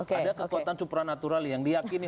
ada kekuatan supranatural yang diakini